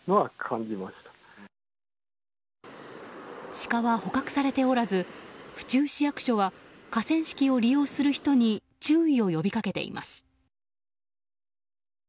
シカは捕獲されておらず府中市役所は河川敷を利用する人に注意を呼びかけています。